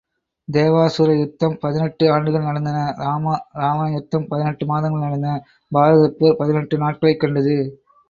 தேவாசுர யுத்தம் பதினெட்டு ஆண்டுகள் நடந்தன இராம இராவணயுத்தம் பதினெட்டு மாதங்கள் நடந்தன பாரதப்போர் பதினெட்டு நாட்களைக் கண்டது.